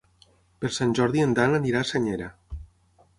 Per Sant Jordi en Dan anirà a Senyera.